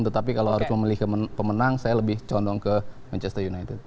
tetapi kalau harus memilih pemenang saya lebih condong ke manchester united